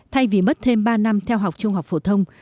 thay vì mất thêm ba năm theo học trung học phổ thông